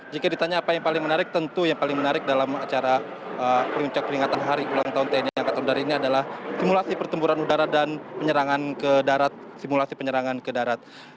jika ditanya apa yang paling menarik tentu yang paling menarik dalam acara peruncak peringatan hari ulang tahun tni au adalah simulasi pertempuran udara dan penyerangan ke darat